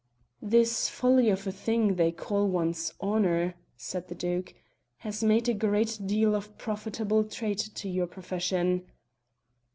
"This folly of a thing they call one's honour," said the Duke, "has made a great deal of profitable trade for your profession?"